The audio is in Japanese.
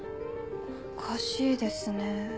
おかしいですねぇ。